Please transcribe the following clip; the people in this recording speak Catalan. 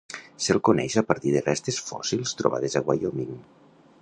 Se'l coneix a partir de restes fòssils trobades a Wyoming.